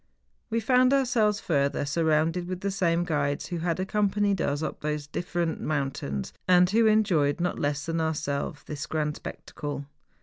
We found our¬ selves, further, surrounded with the same guides who had accompanied us up these different moun¬ tains, and who enjoyed not less than ourselves this grand spectacle.